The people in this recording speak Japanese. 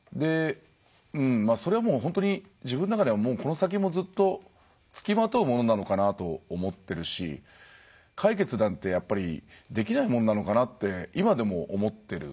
それはもう本当に自分の中ではこの先もずっと付きまとうものなのかなと思ってるし解決なんてやっぱりできないもんなのかなって今でも思ってる。